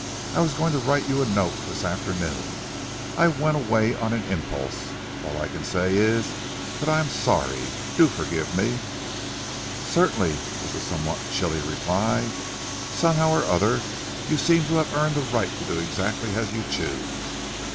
I was going to write you a note this afternoon. I went away on an impulse. All I can say is that I am sorry. Do forgive me." "Certainly!" was the somewhat chilly reply. "Somehow or other, you seem to have earned the right to do exactly as you choose.